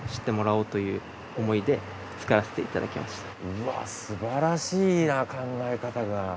うわっすばらしいな考え方が。